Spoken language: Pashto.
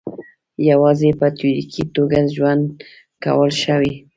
یوازې په تیوریکي توګه ژوند کول ښه وي.